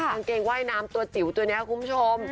กางเกงว่ายน้ำตัวจิ๋วตัวนี้คุณผู้ชม